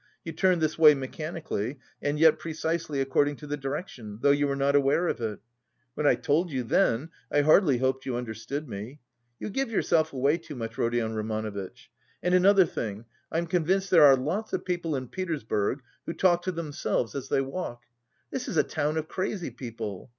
You turned this way mechanically and yet precisely according to the direction, though you are not aware of it. When I told you then, I hardly hoped you understood me. You give yourself away too much, Rodion Romanovitch. And another thing, I'm convinced there are lots of people in Petersburg who talk to themselves as they walk. This is a town of crazy people.